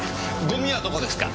ゴミはどこですか？